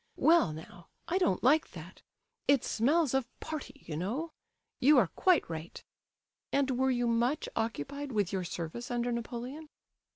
Well now, I don't like that; it smells of 'party,' you know. You are quite right. And were you much occupied with your service under Napoleon?"